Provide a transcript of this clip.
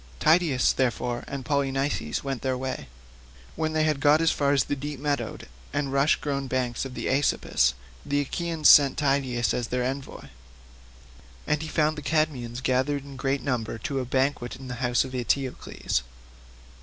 Tydeus, therefore, and Polynices went their way. When they had got as far the deep meadowed and rush grown banks of the Aesopus, the Achaeans sent Tydeus as their envoy, and he found the Cadmeans gathered in great numbers to a banquet in the house of Eteocles.